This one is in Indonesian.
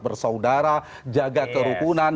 bersaudara jaga kerukunan